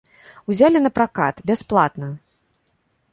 Узялі на пракат, бясплатна.